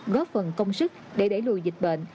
góp phần công sức để đẩy lùi dịch bệnh